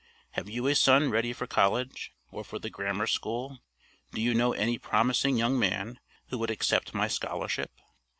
Have you a son ready for college? or for the grammar school? Do you know any promising young man who would accept my scholarship?